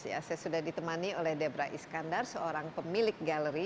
saya sudah ditemani oleh debra iskandar seorang pemilik galeri